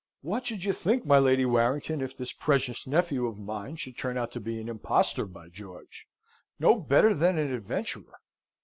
"What should you think, my Lady Warrington, if this precious nephew of mine should turn out to be an impostor; by George! no better than an adventurer?"